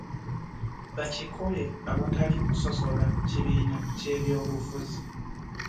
Bakikole awatali kusosola kibiina ky'ebyobufuzi.